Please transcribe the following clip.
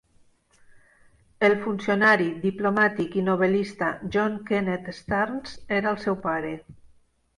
El funcionari, diplomàtic i novel·lista John Kennett Starnes era el seu pare.